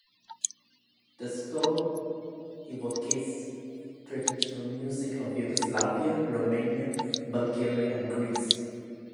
The score evocates traditional music of Yugoslavia, Romania, Bulgaria, and Greece.